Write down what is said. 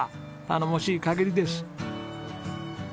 頼もしい限りです。